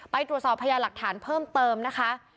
ไปตรวจสอบพยาหลักฐานเพิ่มเติมนะคะ